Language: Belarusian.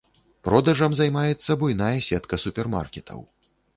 Продажам займаецца буйная сетка супермаркетаў.